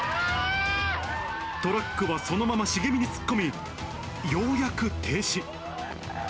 トラックはそのまま茂みに突っ込み、ようやく停止。